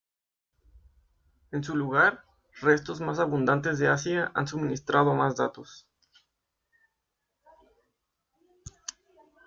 En su lugar, restos más abundantes de Asia han suministrado más datos.